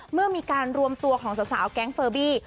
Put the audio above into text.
เมื่อมีการรวมตัวของสาวแก๊งเฟอร์บี้